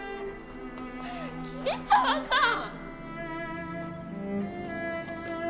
桐沢さん！